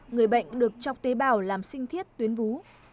người bệnh được chọc tế bào làm sinh thiết tuyến vú